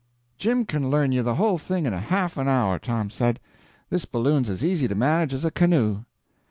"Jim can learn you the whole thing in a half an hour," Tom said. "This balloon's as easy to manage as a canoe."